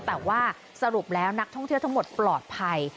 แต่ว่าสรุปแล้วนักท่องเที่ยวทั้งหมดปลอดภัย